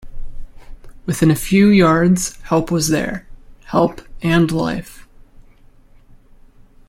Within a few yards help was there — help and life.